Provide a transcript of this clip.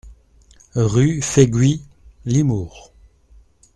Rue Fegui, Limours